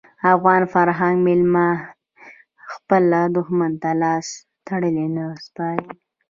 افغان فرهنګ میلمه خپل دښمن ته لاس تړلی نه سپاري.